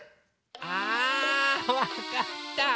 ああわかった！